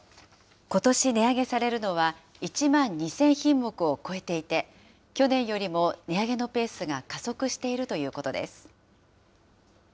ことし値上げされるのは、１万２０００品目を超えていて、去年よりも値上げのペースが加速しているということです。